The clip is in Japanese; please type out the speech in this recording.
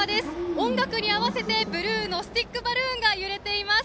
音楽に合わせてブルーのスティックバルーンが揺れています。